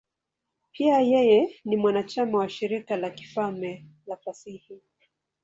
Pia yeye ni mwanachama wa Shirika la Kifalme la Fasihi.